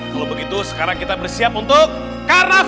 kalau begitu sekarang kita bersiap untuk karaf